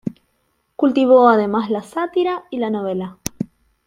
Cultivó además la sátira y la novela.